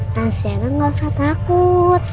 tuan siena gak usah takut